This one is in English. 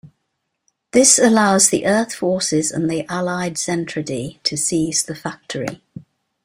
This allows the Earth forces and the allied Zentradi to seize the factory.